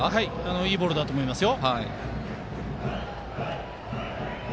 いいボールだと思いますよ。